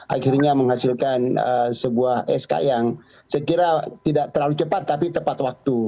akhirnya menghasilkan sebuah sk yang saya kira tidak terlalu cepat tapi tepat waktu